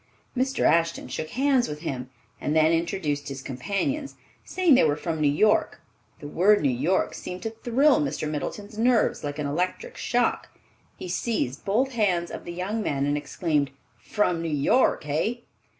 Mr. Ashton shook hands with him, and then introduced his companions, saying they were from New York. The word New York seemed to thrill Mr. Middleton's nerves like an electric shock. He seized both hands of the young men and exclaimed, "From New York, hey?